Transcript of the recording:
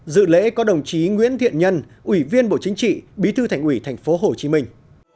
dự lễ có đồng chí nguyễn thiện nhân ủy viên bộ chính trị bí thư thành ủy thành phố hồ chí minh